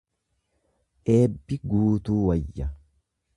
Eebbi guutuu wayya.